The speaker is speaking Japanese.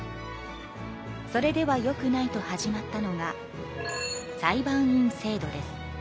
それではよくないと始まったのが裁判員制度です。